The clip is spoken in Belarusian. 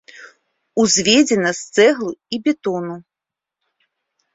Узведзена з цэглы і бетону.